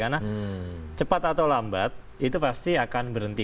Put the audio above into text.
karena cepat atau lambat itu pasti akan berhenti